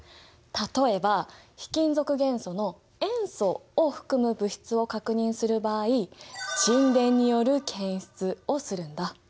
例えば非金属元素の塩素を含む物質を確認する場合沈殿による検出をするんだ。